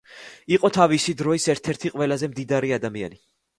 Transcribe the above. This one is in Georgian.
იყო თავისი დროის ერთ-ერთი ყველაზე მდიდარი ადმაიანი.